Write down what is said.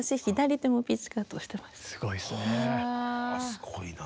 すごいな。